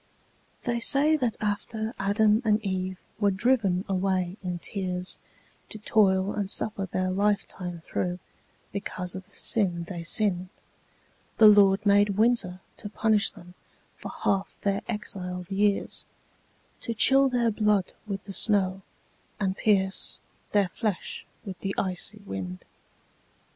They say that after Adam and Eve were driven away in tears To toil and suffer their life time through, because of the sin they sinned, The Lord made Winter to punish them for half their exiled years, To chill their blood with the snow, and pierce their flesh with the icy wind.